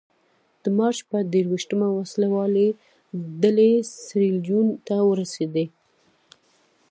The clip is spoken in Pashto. د مارچ په درویشتمه وسله والې ډلې سیریلیون ته ورسېدې.